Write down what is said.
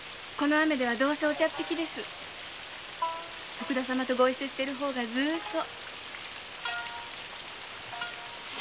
徳田様とご一緒している方がずっといいわ。